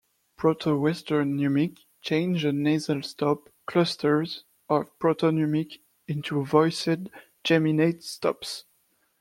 Proto-Western Numic changed the nasal-stop clusters of Proto-Numic into voiced geminate stops.